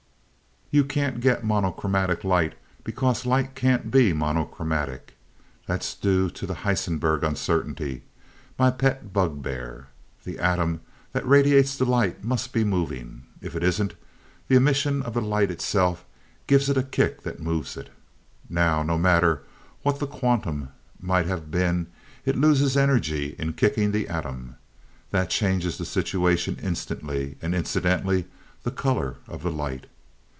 You can't get monochromatic light, because light can't be monochromatic. That's due to the Heisenberg Uncertainty my pet bug bear. The atom that radiates the light, must be moving. If it isn't, the emission of the light itself gives it a kick that moves it. Now, no matter what the quantum might have been, it loses energy in kicking the atom. That changes the situation instantly, and incidentally the 'color' of the light.